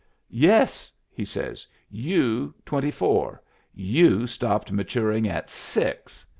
"Yes!" he says. "You twenty four 1 You stopped maturing at six."